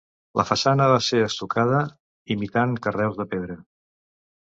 La façana va ser estucada imitant carreus de pedra.